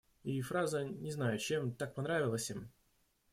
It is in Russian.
И фраза, не знаю чем, так понравилась им.